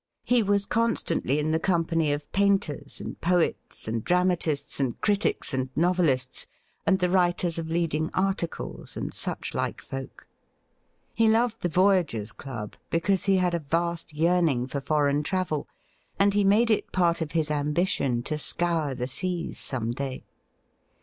He was constantly in the company of painters, and poets, and dramatists, and critics, and novelists, and the writers of leading articles, and such like folk. He loved the Voyagers' Club because he had a vast yearning for foreign travel, and he made it part of his ambition to scorn: the seas some day.